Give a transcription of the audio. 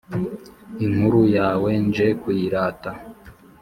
Inkuru yawe nje kuyirata.